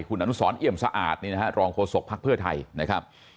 คุณอนุสรเอี่ยมสะอาดรองโฆษกพักเพื่อไทยนะครับ